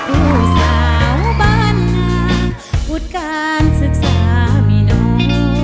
ชีวิตผู้สาวบ้านหน้าอุดการศึกษามีน้อย